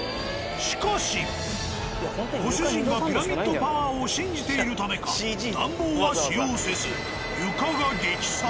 しかしご主人がピラミッドパワーを信じているためか暖房は使用せず床が激寒。